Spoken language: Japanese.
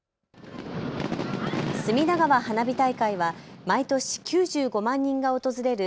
隅田川花火大会は毎年９５万人が訪れる